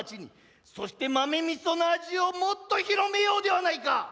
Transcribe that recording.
そして豆味噌の味をもっと広めようではないか！